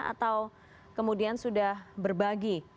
atau kemudian sudah berbagi